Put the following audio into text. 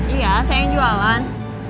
iya saya yang jualan